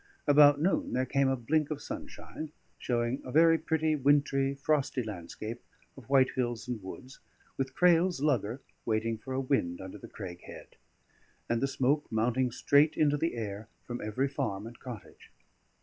About noon there came a blink of sunshine; showing a very pretty, wintry, frosty landscape of white hills and woods, with Crail's lugger waiting for a wind under the Craig Head, and the smoke mounting straight into the air from every farm and cottage.